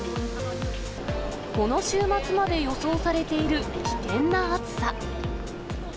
この週末まで予想されている危険な暑さ。